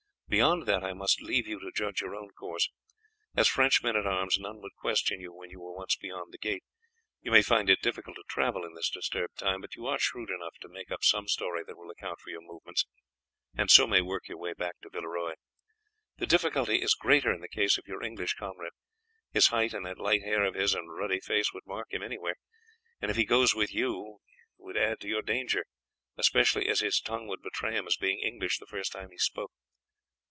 Beyond that I must leave you to judge your own course. As French men at arms none would question you when you were once beyond the gate. You may find it difficult to travel in this disturbed time, but you are shrewd enough to make up some story that will account for your movements, and so may work your way back to Villeroy. The difficulty is greater in the case of your English comrade his height and that light hair of his and ruddy face would mark him anywhere, and if he goes with you would add to your danger, especially as his tongue would betray him as being English the first time he spoke.